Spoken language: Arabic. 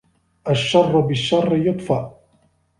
الشَّرَّ بِالشَّرِّ يُطْفَأُ